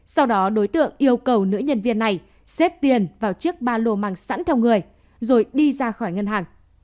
sau đó đối tượng yêu cầu nữ nhân viên này xếp tiền vào chiếc ba lô màng sẵn theo người rồi đi ra khỏi ngân hàng